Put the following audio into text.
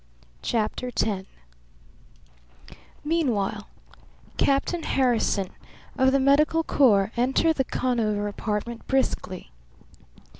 CHAPTER X Meanwhile, Captain Harrison of the Medical Corps entered the Conover apartment briskly.